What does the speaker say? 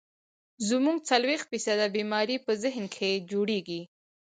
زمونږ څلوېښت فيصده بيمارۍ پۀ ذهن کښې جوړيږي